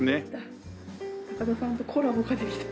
高田さんとコラボができた！